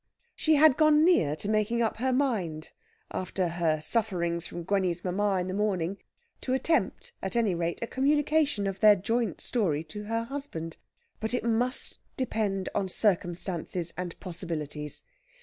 She had gone near to making up her mind after her sufferings from Gwenny's mamma in the morning to attempt, at any rate, a communication of their joint story to her husband. But it must depend on circumstances and possibilities.